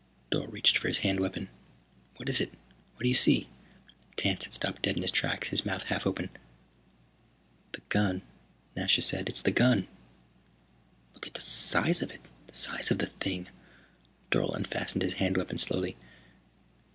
Dorle reached for his hand weapon. "What is it? What do you see?" Tance had stopped dead in his tracks, his mouth half open. "The gun," Nasha said. "It's the gun." "Look at the size of it. The size of the thing." Dorle unfastened his hand weapon slowly.